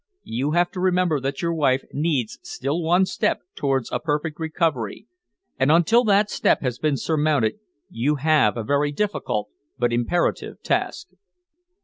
You have to remember that your wife needs still one step towards a perfect recovery, and until that step has been surmounted you have a very difficult but imperative task."